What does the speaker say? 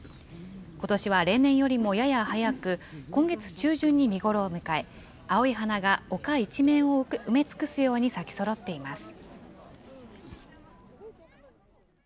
ことしは例年よりもやや早く、今月中旬に見頃を迎え、青い花が丘一面を埋め尽くすように咲きそろっています。